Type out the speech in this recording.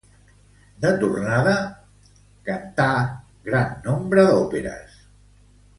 De tornada a Espanya, cantà a Madrid gran nombre d'òperes.